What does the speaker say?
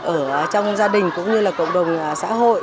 ở trong gia đình cũng như là cộng đồng xã hội